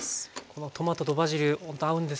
トマトとバジルほんと合うんですよね。